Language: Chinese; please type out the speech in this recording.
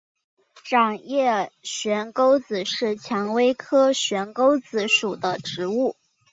掌叶悬钩子是蔷薇科悬钩子属的植物。